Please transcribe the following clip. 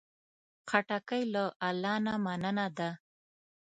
خټکی له الله نه مننه ده.